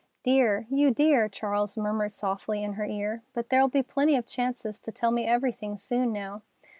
"Dear! You dear!" Charles murmured softly in her ear. "But there'll be plenty of chances to tell me everything soon now."